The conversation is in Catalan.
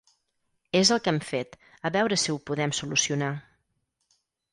És el que hem fet, a veure si ho podem solucionar.